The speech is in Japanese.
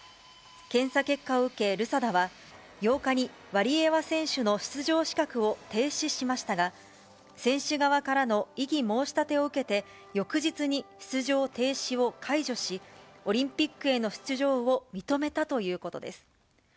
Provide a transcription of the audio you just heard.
検査結果を受けルサダは、８日にワリエワ選手の出場資格を停止しましたが、選手側からの異議申し立てを受けて、翌日に出場停止を解除し、オリンピックへの出場を認めたということです。